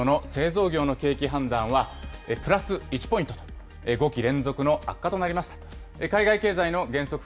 今回の短観、大企業の製造業の景気判断は、プラス１ポイントと、５期連続の悪化となりました。